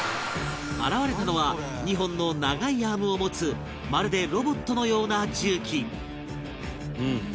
現れたのは２本の長いアームを持つまるでロボットのような重機